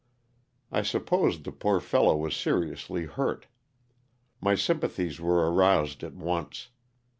I supposed the poor fellow was seriously hurt. My sympathies were aroused at once.